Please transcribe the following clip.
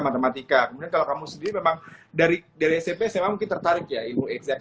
matematika kemudian kalau kamu sendiri memang dari dari smp saya mungkin tertarik ya ilmu exact